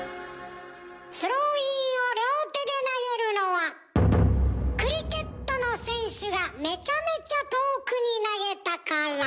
スローインを両手で投げるのはクリケットの選手がめちゃめちゃ遠くに投げたから。